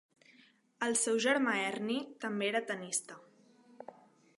El seu germà Ernie també era tennista.